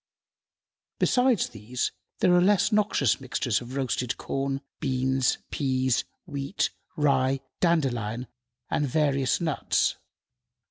Besides these, are less noxious mixtures of roasted corn, beans, peas, wheat, rye, dandelion, and various nuts.